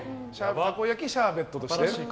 たこ焼きシャーベットとして？